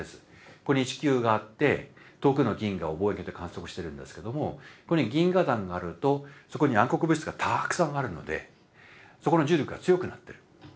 ここに地球があって遠くの銀河を望遠鏡で観測してるんですけどもここに銀河団があるとそこに暗黒物質がたくさんあるのでそこの重力が強くなってる。